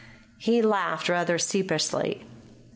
He laughed rather sheepishly.